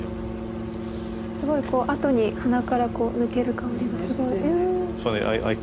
すごいこうあとに鼻から抜ける香りがすごい。